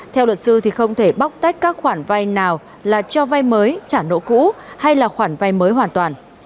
theo luật sư thì không thể bóc tách các khoản vai nào là cho vai mới trả nợ cũ hay là khoản vai mới hoàn toàn